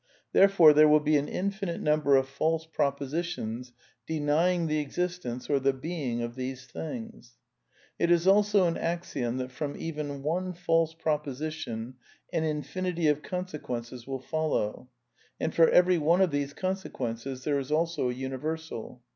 Therefore there will be an infinite number of false propo i sitions denying the existence or the being of these things. 1 It is also an axiom that from even one false proposition l an infinity of consequences will follow; and for every one * of these consequences there is also a universal.